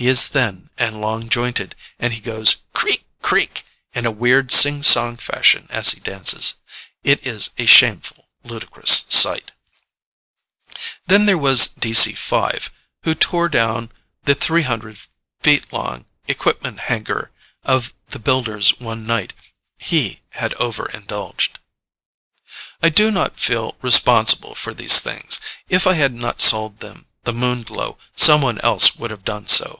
He is thin and long jointed, and he goes "creak, creak," in a weird, sing song fashion as he dances. It is a shameful, ludicrous sight. Then there was DC 5, who tore down the 300 feet long equipment hangar of the Builders one night. He had over indulged. I do not feel responsible for these things. If I had not sold them the Moon Glow, someone else would have done so.